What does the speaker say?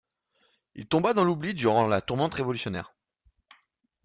Il tomba dans l'oubli durant la tourmente révolutionnaire.